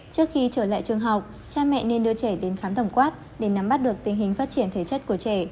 trước khi trở lại trường học cha mẹ nên đưa trẻ đến khám tổng quát để nắm bắt được tình hình phát triển thể chất của trẻ